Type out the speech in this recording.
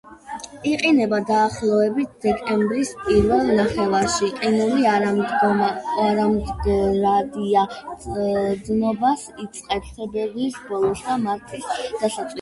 იყინება დაახლოებით დეკემბრის პირველ ნახევარში, ყინული არამდგრადია; დნობას იწყებს თებერვლის ბოლოს და მარტის დასაწყისში.